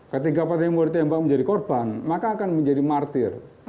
ketika pendemo ditembak menjadi korban maka akan menjadi martir